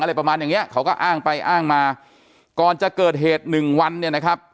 อะไรประมาณอย่างเนี้ยเขาก็อ้างไปอ้างมาก่อนจะเกิดเหตุหนึ่งวันเนี่ยนะครับ